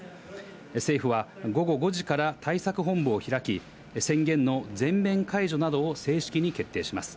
政府は午後５時から対策本部を開き、宣言の全面解除などを正式に決定します。